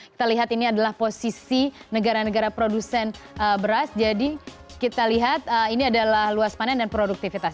kita lihat ini adalah posisi negara negara produsen beras jadi kita lihat ini adalah luas panen dan produktivitas